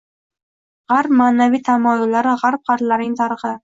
G‘arb ma’naviy tamoyillari g‘arb xalqlarining tarixi